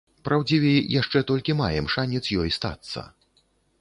Праўдзівей, яшчэ толькі маем шанец ёй стацца.